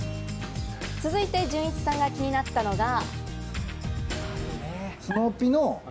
続いて、じゅんいちさんが気になったのが。